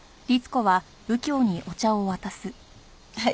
はい。